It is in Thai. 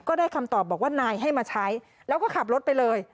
ได้คำตอบบอกว่านายให้มาใช้แล้วก็ขับรถไปเลย